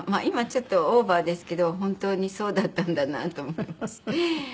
今はちょっとオーバーですけど本当にそうだったんだなと思います。